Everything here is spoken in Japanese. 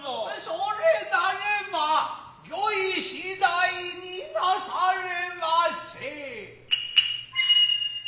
それなれば御意次第になされませ。